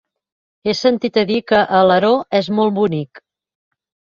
He sentit a dir que Alaró és molt bonic.